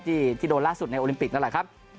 ที่โดนล่าสุดในโอลิมปิกนั่นแหละครับ